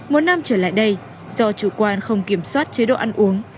một năm trở lại đây do chủ quan không kiểm soát chế độ ăn uống